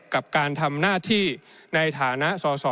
กับการทำหน้าที่ในฐานะสอสอ